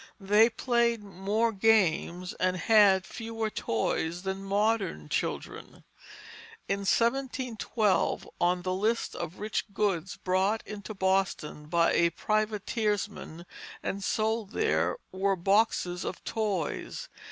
They played more games, and had fewer toys than modern children. In 1712, on the list of rich goods brought into Boston by a privateersman and sold there, were "Boxes of Toys."